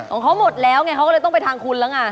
ของเขาหมดแล้วไงเขาก็เลยต้องไปทางคุณแล้วไง